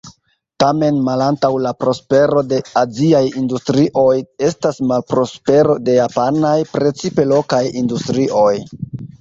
Tamen malantaŭ la prospero de aziaj industrioj estas malprospero de japanaj, precipe lokaj industrioj.